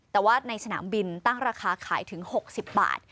แต่ว่าในสนามบินตั้งราคาขายถึง๖๐บาท